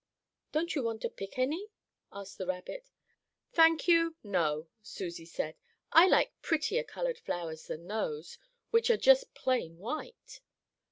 "Don't you want to pick any?" asked the rabbit. "Thank you, no," Susie said. "I like prettier colored flowers than those, which are just plain white."